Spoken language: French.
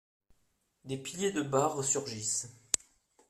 Des piliers de bar resurgissent.